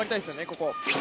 ここ。